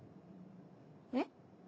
えっ？